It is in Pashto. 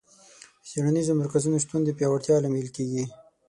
د څېړنیزو مرکزونو شتون د پیاوړتیا لامل کیږي.